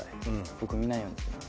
僕見ないようにしてます。